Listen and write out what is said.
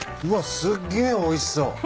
すっげえおいしそう。